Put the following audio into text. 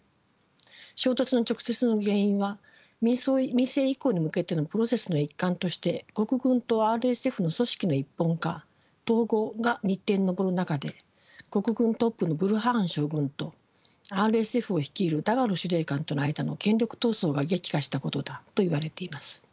衝突の直接の原因は民政移行に向けてのプロセスの一環として国軍とＲＳＦの組織の一本化統合が日程に上る中で国軍トップのブルハン将軍とＲＳＦを率いるダガロ司令官との間の権力闘争が激化したことだといわれています。